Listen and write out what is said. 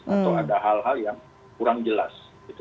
atau ada hal hal yang kurang jelas